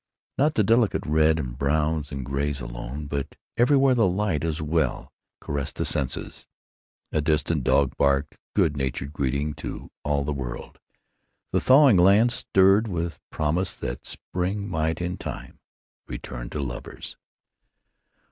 Not the delicate red and browns and grays alone, but everywhere the light, as well, caressed the senses. A distant dog barked good natured greeting to all the world. The thawing land stirred with a promise that spring might in time return to lovers.